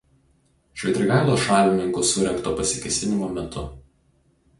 Švitrigailos šalininkų surengto pasikėsinimo metu.